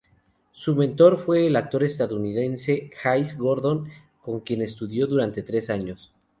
Su mentor fue el actor estadounidense Hayes Gordon, con quien estudió durante tres años.